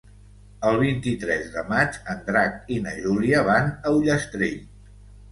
El vint-i-tres de maig en Drac i na Júlia van a Ullastrell.